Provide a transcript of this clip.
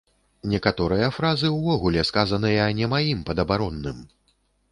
Некаторыя фразы ўвогуле сказаныя не маім падабаронным.